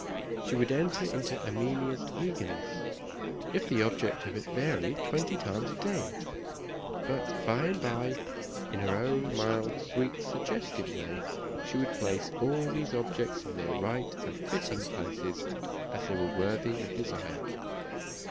She would enter into Erminia's eagerness, if the object of it varied twenty times a day; but by and by, in her own mild, sweet, suggestive way, she would place all these objects in their right and fitting places, as they were worthy of desire.